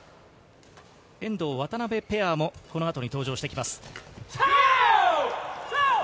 遠藤・渡辺ペアもこの後に登場してきます。